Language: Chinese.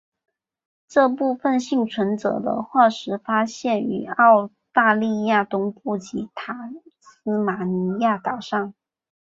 这部分幸存者的化石发现于澳大利亚东部及塔斯马尼亚岛上。